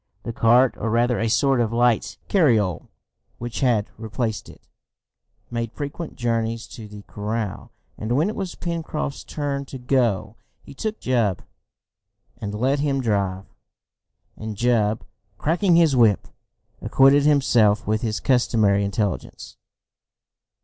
The cart, or rather a sort of light carriole which had replaced it, made frequent journeys to the corral, and when it was Pencroft's turn to go he took Jup, and let him drive, and Jup, cracking his whip, acquitted himself with his customary intelligence.